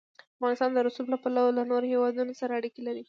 افغانستان د رسوب له پلوه له نورو هېوادونو سره اړیکې لري.